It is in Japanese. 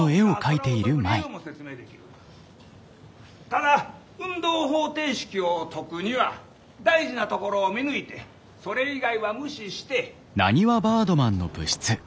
ただ運動方程式を解くには大事なところを見抜いてそれ以外は無視して。